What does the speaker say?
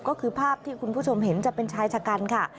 ก็คือภาพที่คุณผู้ชมเห็นจะเป็นชายชะกันค่ะ